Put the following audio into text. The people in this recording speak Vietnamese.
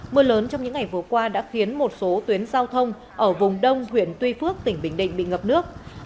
mưa lớn trong những ngày vừa qua đã khiến một số tuyến giao thông ở vùng đông huyện tuy phước tỉnh bình định bị ngập nước